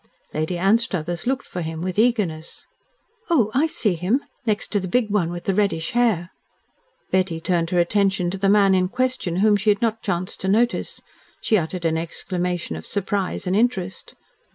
Lady Anstruthers looked for him with eagerness. "Oh, I see him! Next to the big one with the reddish hair." Betty turned her attention to the man in question, whom she had not chanced to notice. She uttered an exclamation of surprise and interest.